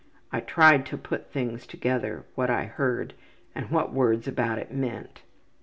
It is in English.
I tried to put things together what I heard, and what words about it meant.''